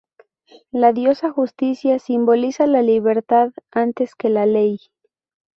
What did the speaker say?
La diosa Justicia simboliza la libertad antes que la ley.